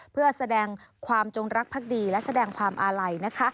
เพื่อแสดงความจงรักภักดีและแสดงความอาลัยนะคะ